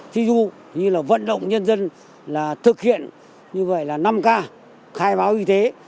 thí dụ như là vận động nhân dân là thực hiện như vậy là năm k khai báo y tế